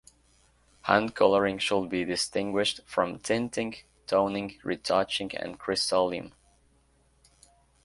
Hand-colouring should be distinguished from "tinting", "toning", "retouching", and "crystoleum".